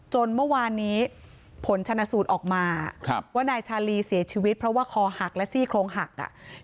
เมื่อวานนี้ผลชนะสูตรออกมาว่านายชาลีเสียชีวิตเพราะว่าคอหักและซี่โครงหักอ่ะ